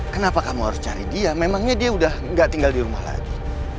kenapa kamu harus cari dia memangnya dia udah gak tinggal di rumah lagi